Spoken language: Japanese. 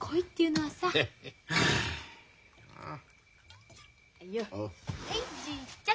はいじいちゃん。